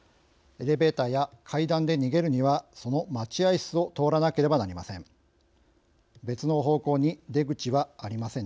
エレベーターや階段で逃げるにはその待合室を通らなければなりません。